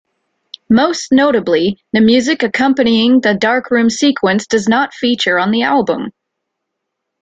Most notably, the music accompanying the darkroom sequence does not feature on the album.